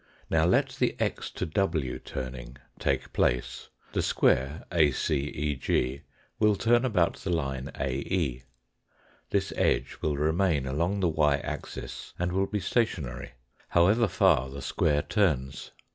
Now let the x to w turning take place. The square ACEG will turn about the line AE. This edge will remain along the y axis and will be stationary, however far the square turns.